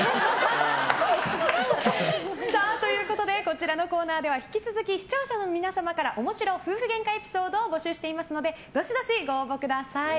こちらのコーナーでは引き続き視聴者の皆様からおもしろ夫婦ゲンカエピソードを募集していますのでどしどしご応募ください。